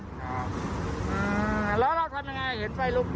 เป็นรถบุรีต่อเนื่องที่เรื่องของไฟไหม้เลยนะคะเดี๋ยวพาไปที่รถบุรี